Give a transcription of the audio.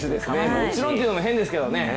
もちろんっていうのも変ですけれどもね。